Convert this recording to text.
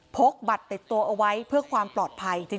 กบัตรติดตัวเอาไว้เพื่อความปลอดภัย